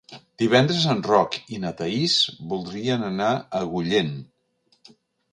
Divendres en Roc i na Thaís voldrien anar a Agullent.